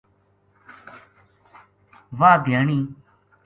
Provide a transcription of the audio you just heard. واہ دھیانی